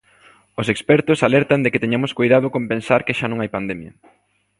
Os expertos alertan de que teñamos coidado con pensar que xa non hai pandemia.